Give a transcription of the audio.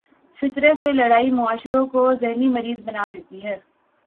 فطرت سے لڑائی معاشروں کو ذہنی مریض بنا دیتی ہے۔